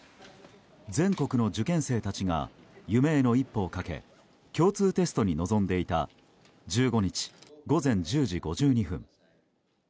全国の受験生たちが夢への一歩をかけ共通テストに臨んでいた１５日午前１０時５２分。